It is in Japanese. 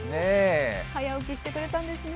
早起きしてくれたんですね。